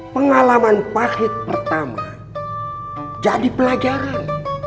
pengalaman pahit pertama jadi pelajaran